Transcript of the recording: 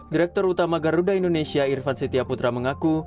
direktur utama garuda indonesia irvan setia putra mengaku